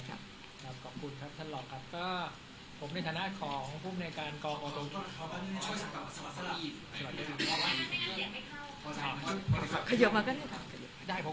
ขอบคุณครับท่านหลอก